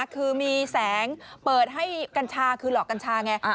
คือมีแสงเปิดให้กัญชาคือหลอกกัญชาไง